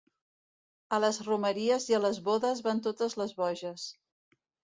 A les romeries i a les bodes van totes les boges.